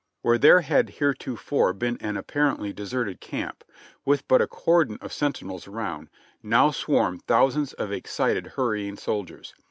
Where there had heretofore been an apparently deserted camp, with but a cordon of sentinels around, now swarmed thousands of excited, hurrying soldiers.